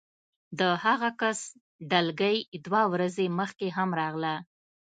د هغه کس ډلګۍ دوه ورځې مخکې هم راغله